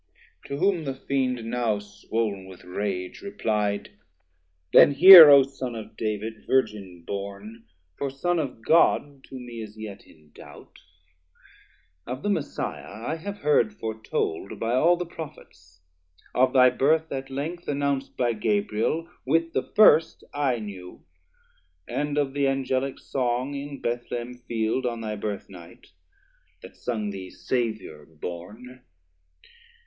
To whom the Fiend now swoln with rage reply'd: Then hear, O Son of David, Virgin born; 500 For Son of God to me is yet in doubt, Of the Messiah I have heard foretold By all the Prophets; of thy birth at length Announc't by Gabriel with the first I knew, And of the Angelic Song in Bethlehem field, On thy birth night, that sung thee Saviour born.